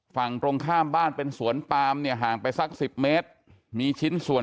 ฝั่งตรงข้ามบ้านเป็นสวนปามเนี่ยห่างไปสักสิบเมตรมีชิ้นส่วน